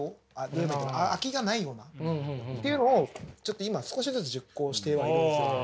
空きがないような。っていうのをちょっと今少しずつ実行してはいるんですよ。